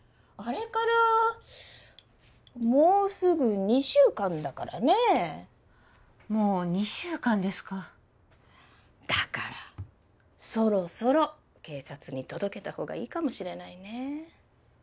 あれからもうすぐ２週間だからねもう２週間ですかだからそろそろ警察に届けたほうがいいかもしれないね